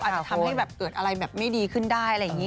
อาจจะทำให้แบบเกิดอะไรแบบไม่ดีขึ้นได้อะไรอย่างนี้